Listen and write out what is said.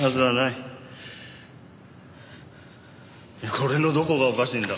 これのどこがおかしいんだ？